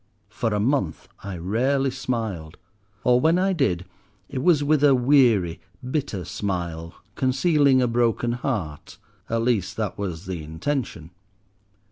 For a month I rarely smiled, or, when I did, it was with a weary, bitter smile, concealing a broken heart—at least that was the intention.